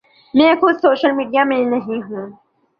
میں خود social media میں نہیں ہوں۔